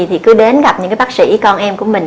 thì cứ đến gặp những cái bác sĩ con em của mình